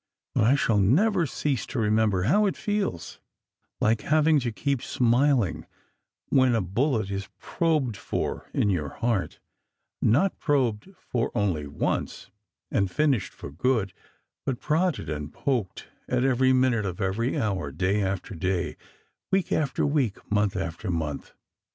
But I shall never cease to remember how it feels : like having to keep smiling while a bullet is probed for in your heart, not probed for only once, and finished for good, but prodded and poked at every minute of every hour, day after day, week after week, month after month.